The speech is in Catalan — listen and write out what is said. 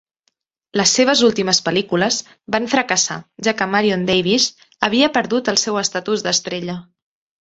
Les seves últimes pel·lícules van fracassar ja que Marion Davies havia perdut el seu estatus d'estrella.